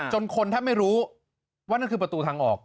คนแทบไม่รู้ว่านั่นคือประตูทางออก